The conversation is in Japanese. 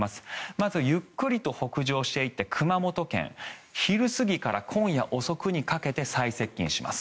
まず、ゆっくりと北上していって熊本県昼過ぎから今夜遅くにかけて最接近します。